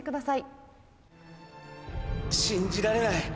信じられない！